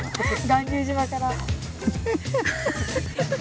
巌流島から。